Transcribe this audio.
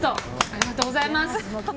ありがとうございます！